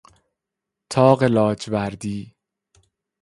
طاق لاجوردی